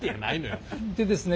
でですね